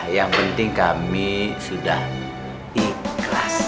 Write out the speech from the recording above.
yang penting kami sudah ikhlas